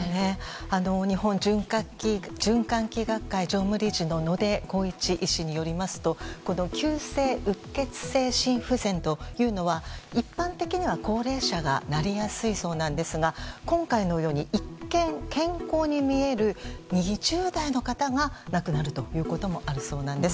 日本循環器学会常務理事の野出孝一医師によりますと急性うっ血性心不全というのは一般的には高齢者がなりやすいそうなんですが今回のように一見、健康に見える２０代の方が亡くなるということもあるそうなんです。